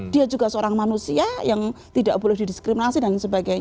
dia juga seorang manusia yang tidak boleh didiskriminasi dan sebagainya